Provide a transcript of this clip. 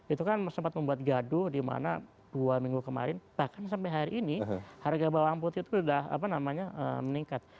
itu kan sempat membuat gaduh di mana dua minggu kemarin bahkan sampai hari ini harga bawang putih itu sudah meningkat